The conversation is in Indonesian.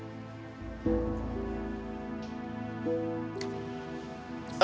oh sign rekan masuk